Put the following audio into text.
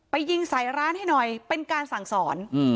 ยิงใส่ร้านให้หน่อยเป็นการสั่งสอน